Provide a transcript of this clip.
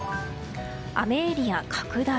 雨エリア拡大。